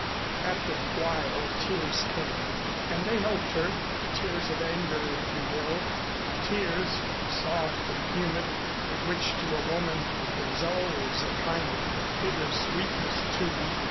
After a while tears came, and they helped her, tears of anger, if you will, but tears, soft and humid, in which to a woman there is always a kind of bitter sweetness, too.